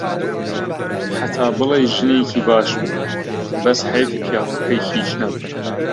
هەتا بڵێی ژنێکی باش بوو، بەس حەیف پیاوەکەی هیچ نەبوو.